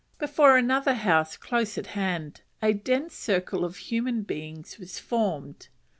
Before another house, close at hand, a dense circle of human beings was formed.